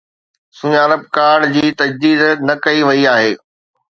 سڃاڻپ ڪارڊ جي تجديد نه ڪئي وئي آهي